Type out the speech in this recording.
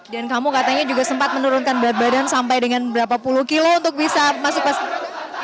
dan kamu katanya juga sempat menurunkan berat badan sampai dengan berapa puluh kilo untuk bisa masuk paski beraka